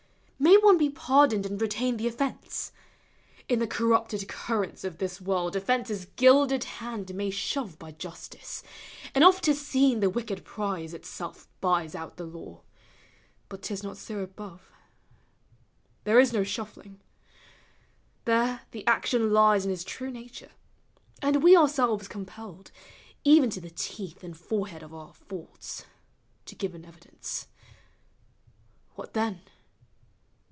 May one be pardoned and retain the offence? In the corrupted currents of this world Offence's gilded hand may shove by justice, And oft 't is seen the wicked prize itself Buys out the law : but 't is not so above ; There is no shuffling, there the action lies PR I ) ER l \ 1> ISPIRATlON. 119 Tn his true nature; and we ourselves compelled, Even to the teeth and forehead of our faults, To eive in evidence. What then?